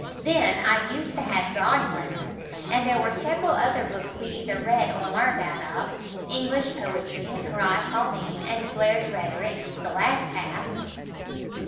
Then I used to have drawing lessons; and there were several other books we either read or learned out of,—English Poetry, and Horæ Paulinæ and Blair's Rhetoric, the last half."